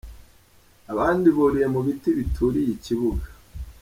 Abandi buriye mu biti bituriye ikibuga.